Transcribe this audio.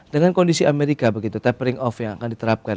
dengan kondisi amerika begitu tapering off yang akan diterapkan